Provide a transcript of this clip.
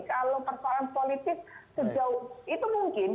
kalau persoalan politik sejauh itu mungkin